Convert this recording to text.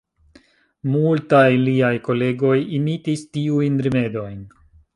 Multaj liaj kolegoj imitis tiujn rimedojn.